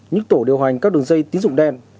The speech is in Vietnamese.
những tổ điều hành các đường dây tín dụng đen